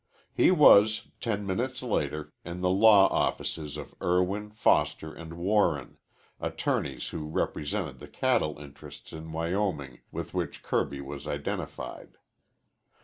He was, ten minutes later, in the law offices of Irwin, Foster & Warren, attorneys who represented the cattle interests in Wyoming with which Kirby was identified.